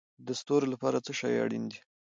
د ستورو لپاره څه شی اړین دی؟